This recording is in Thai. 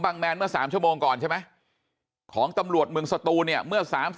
แมนเมื่อ๓ชั่วโมงก่อนใช่ไหมของตำรวจเมืองสตูนเนี่ยเมื่อ๓๐